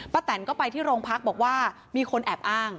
แตนก็ไปที่โรงพักบอกว่ามีคนแอบอ้าง